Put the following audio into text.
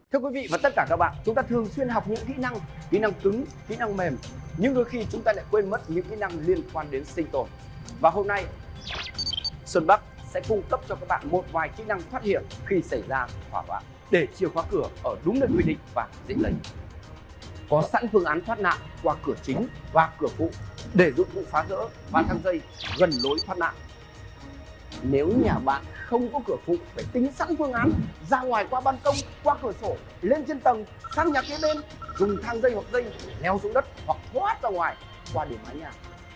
nếu nhà bạn không có cửa phụ phải tính sẵn phương án ra ngoài qua bàn công qua cửa sổ lên trên tầng sang nhà kế bên dùng thang dây hoặc dây leo xuống đất hoặc thoát ra ngoài qua điểm mái nhà